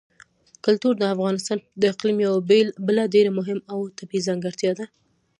کلتور د افغانستان د اقلیم یوه بله ډېره مهمه او طبیعي ځانګړتیا ده.